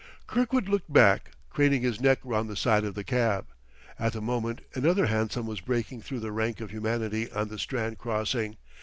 Kirkwood looked back, craning his neck round the side of the cab. At the moment another hansom was breaking through the rank of humanity on the Strand crossing.